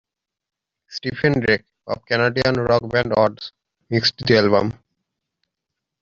Stephen Drake, of Canadian rock band Odds, mixed the album.